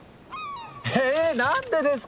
え何でですか？